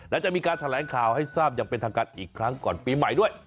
และจะมีการแถลงข่าวให้ทราบอย่างเป็นทางการอีกครั้งก่อนปีใหม่ด้วย